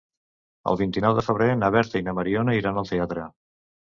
El vint-i-nou de febrer na Berta i na Mariona iran al teatre.